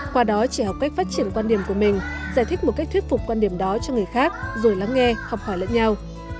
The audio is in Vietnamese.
qua đó trẻ học cách phát triển quan điểm của mình giải thích một cách thuyết phục quan điểm đó cho người khác rồi lắng nghe học hỏi lẫn nhau